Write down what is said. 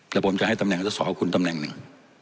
แล้วผมจะให้ตำแหน่งสอสอคุณตำแหน่งหนึ่ง